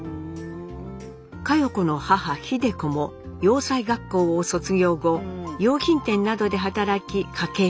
佳代子の母秀子も洋裁学校を卒業後洋品店などで働き家計を支えます。